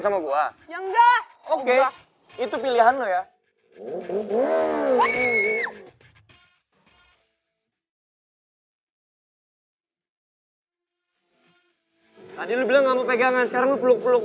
sama gua ya enggak oke itu pilihan lu ya hai tadi lu bilang kamu pegangan seru peluk peluk